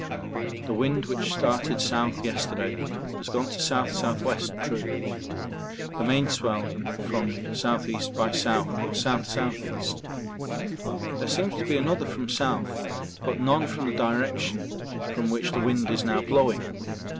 The wind which started south yesterday has gone to S.S.W. (true), the main swell in from S.E. by S. or S.S.E. There seems to be another from south but none from the direction from which the wind is now blowing.